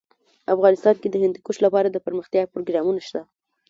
افغانستان کې د هندوکش لپاره دپرمختیا پروګرامونه شته.